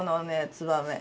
つばめ。